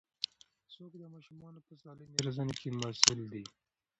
څوک د ماشومانو په سالمې روزنې کې مسوول دي؟